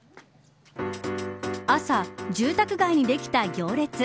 朝、住宅街にできた行列。